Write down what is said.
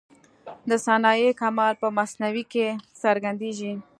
د صانع کمال په مصنوعي کي څرګندېږي.